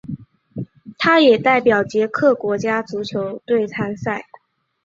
他也代表捷克国家足球队参赛。